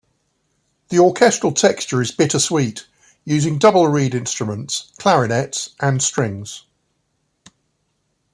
The orchestral texture is bittersweet, using double reed instruments, clarinets and strings.